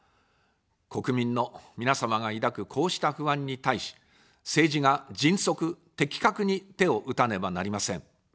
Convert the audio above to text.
国民の皆様が抱くこうした不安に対し、政治が迅速、的確に手を打たねばなりません。